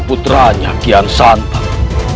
putranya kian santan